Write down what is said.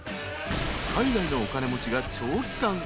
［海外のお金持ちが長期間